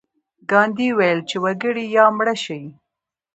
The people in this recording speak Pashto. ګاندي وویل چې وکړئ یا مړه شئ.